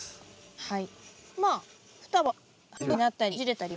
はい。